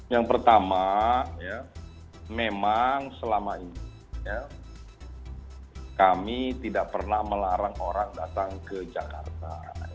yang pertama memang selama ini kami tidak pernah melarang orang datang ke jakarta